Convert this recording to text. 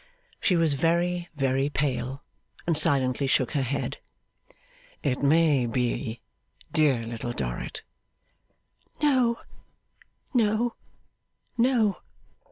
She was very, very pale, and silently shook her head. 'It may be, dear Little Dorrit.' 'No. No. No.